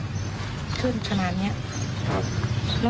และที่สำคัญก็มีอาจารย์หญิงในอำเภอภูสิงอีกเหมือนกัน